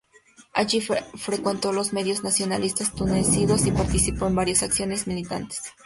Allí frecuentó los medios nacionalistas tunecinos y participó en varias acciones militantes.